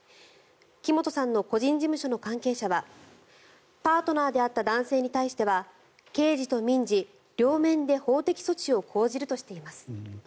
木本さんの個人事務所の関係者はパートナーであった男性に対しては刑事と民事両面で法的措置を講じるとしています。